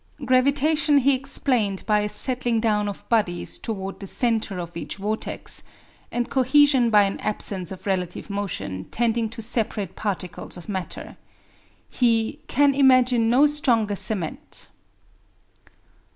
Gravitation he explained by a settling down of bodies toward the centre of each vortex; and cohesion by an absence of relative motion tending to separate particles of matter. He "can imagine no stronger cement."